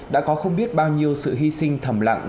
đã có không biết bao nhiêu sự hy sinh thầm lặng